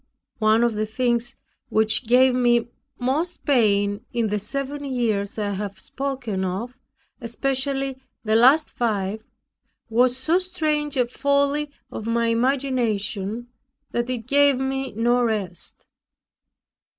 One of the things which gave me most pain in the seven years I have spoken of, especially the last five, was so strange a folly of my imagination that it gave me no rest.